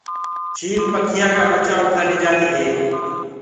چيِل پکيآ ڪآ ٻچآ اُٺآ ليجآندي هي۔